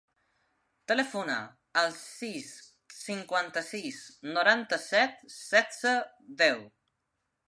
Telefona al sis, cinquanta-sis, noranta-set, setze, deu.